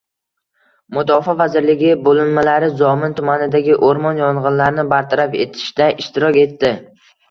Mudofaa vazirligi bo‘linmalari Zomin tumanidagi o‘rmon yong‘inlarini bartaraf etishda ishtirok etdi